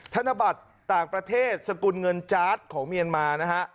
ธนบัตรต่างประเทศสกุลเงินจาร์ดของเมียนมานะฮะ